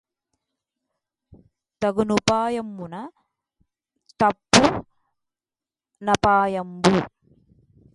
తగు నుపాయమున్న తప్పు నపాయంబు